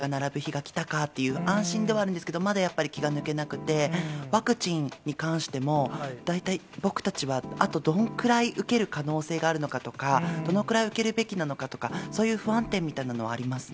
でもまあ、少なくなってきた、ようやく、こういうふうな数字が並ぶ日が来たかという安心ではあるんですけれども、まだやっぱり気が抜けなくて、ワクチンに関しても、大体僕たちはあとどんくらい受ける可能性があるのかとか、どのくらい受けるべきなのかとか、そういう不安定みたいなものはありますね。